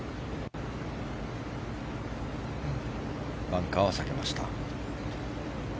バンカーは避けました。